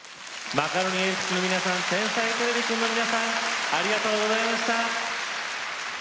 マカロニえんぴつの皆さん「天才てれびくん」の皆さんありがとうございました。